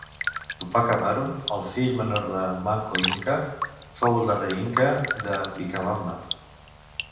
Túpac Amaru, el fill menor de Manco Inca, fou el darrer inca de Vicabamba.